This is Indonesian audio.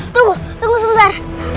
tunggu tunggu sebentar